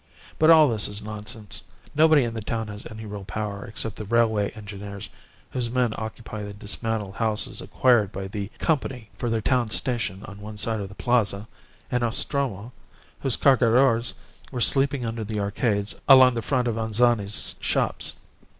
But all this is nonsense. Nobody in the town has any real power except the railway engineers, whose men occupy the dismantled houses acquired by the Company for their town station on one side of the Plaza, and Nostromo, whose Cargadores were sleeping under the arcades along the front of Anzani's shops.